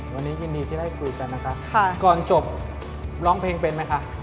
วันนี้ยินดีที่ได้คุยกันนะครับก่อนจบร้องเพลงเป็นไหมคะ